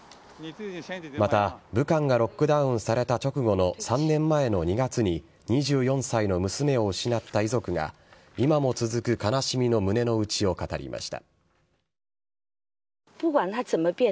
また武漢がロックダウンされた直後の３年前の２月に２４歳の娘を失った遺族が、今も続く悲しみの胸の内を語りました。